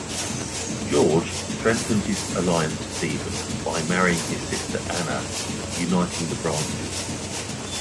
George strengthened his alliance to Stephen by marrying his sister Anna, uniting the branches.